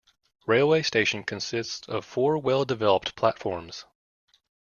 Railway station consists of four well developed platforms.